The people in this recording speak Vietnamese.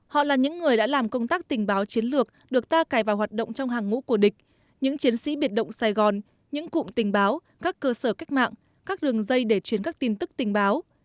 họ là những người đã làm công tác tình báo chiến lược được ta cài vào hoạt động trong hàng ngũ của địch những chiến sĩ biệt động sài gòn những cụm tình báo các cơ sở cách mạng các đường dây để truyền các tin tức tình báo